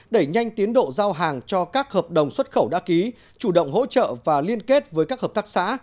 đẩy nhanh tiến độ giao hàng cho các hợp đồng xuất khẩu đã ký chủ động hỗ trợ và liên kết với các hợp tác xã